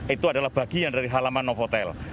itu adalah bagian dari halaman novotel